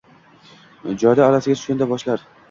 Jodi orasiga tushganda boshlar